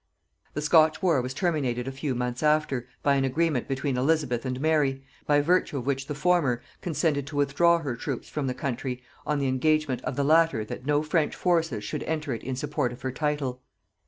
"] The Scotch war was terminated a few months after, by an agreement between Elizabeth and Mary, by virtue of which the former consented to withdraw her troops from the country on the engagement of the latter that no French forces should enter it in support of her title.